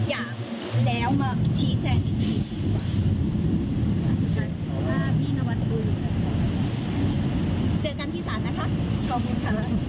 อย่างแล้วมาพลาดชี้จะอีก